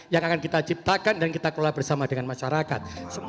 yang akan kita ciptakan dan kita kelola bersama dengan masyarakat